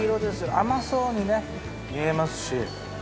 甘そうにね見えますし。